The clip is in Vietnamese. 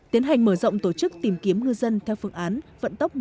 tiến hành mở rộng tổ chức tìm kiếm ngư dân theo phương án vận tốc một mươi một hải lý